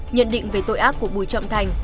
nhận định về tội ác của bùi trọng thành